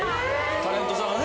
タレントさんがね？